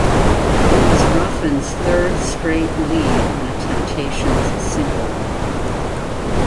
It was Ruffin's third straight lead on a Temptations single.